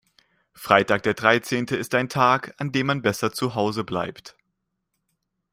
Freitag der dreizehnte ist ein Tag, an dem man besser zu Hause bleibt.